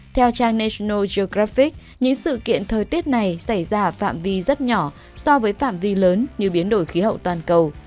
theo trang national gecraffic những sự kiện thời tiết này xảy ra ở phạm vi rất nhỏ so với phạm vi lớn như biến đổi khí hậu toàn cầu